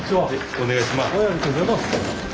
お願いします。